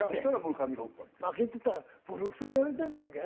負けてたらボロクソに言われたんじゃないか？